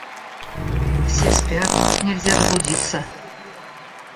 — Все спят, нельзя добудиться.